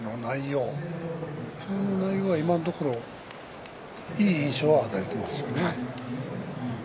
その内容は今のところいい印象は与えています。